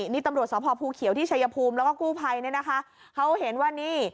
นี่ตำรวจสพภูเขียวที่ชายภูมิแล้วก็กู้ภัยเนี่ยนะคะเขาเห็นว่านี่